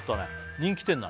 人気店だね